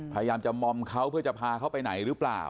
พยายามจะมอมเขาเพื่อจะพาเขาไปไหนหรือเปล่า